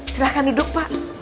silahkan duduk pak